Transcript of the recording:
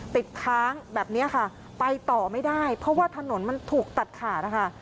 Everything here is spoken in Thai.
ติดค้างแบบนี้ค่ะไปต่อไม่ได้เพราะว่าถนนมันถูกตัดขาดนะคะ